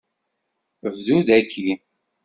Bdu daki!